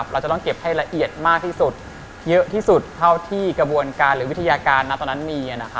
เราต้องเก็บให้ละเอียดมากที่สุดเยอะที่สุดเท่าที่กระบวนการวิธีการมี